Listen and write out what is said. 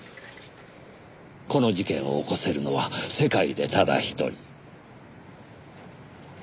この事件を起こせるのは世界でただ一人。